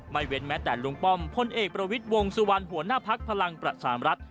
เว้นแม้แต่ลุงป้อมพลเอกประวิทย์วงสุวรรณหัวหน้าภักดิ์พลังประชามรัฐ